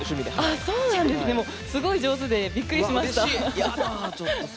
すごい上手でビックリしました。